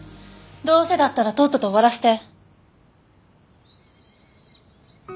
どうせだったらとっとと終わらせて。